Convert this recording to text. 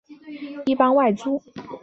一般外族。